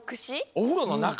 おふろのなか！？